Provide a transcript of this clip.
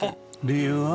理由は？